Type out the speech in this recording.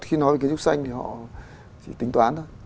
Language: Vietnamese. khi nói về kiến trúc xanh thì họ chỉ tính toán thôi